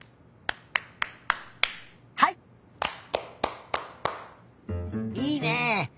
いいね。